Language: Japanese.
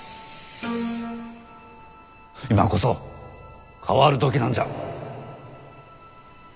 今こそ変わる時なんじゃ。